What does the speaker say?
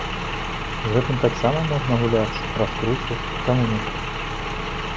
З гэтым таксама можна гуляцца, раскручваць, чаму не?